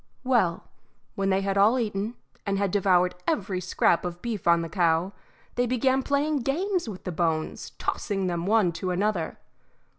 Well, when they had all eaten, and had devoured every scrap of beef on the cow, they began playing games with the bones, tossing them one to another.